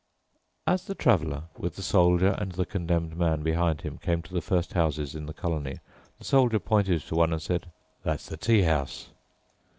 As the Traveler, with the Soldier and the Condemned Man behind him, came to the first houses in the colony, the Soldier pointed to one and said, "That's the tea house."